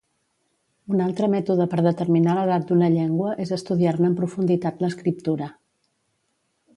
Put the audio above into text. Un altre mètode per determinar l'edat d'una llengua és estudiar-ne en profunditat l'escriptura.